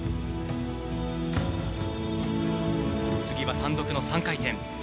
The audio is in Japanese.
次は単独の３回転。